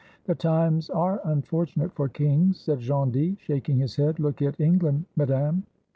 "The times are unfortunate for kings." said Gondy, shaking his head; "look at England, Madame."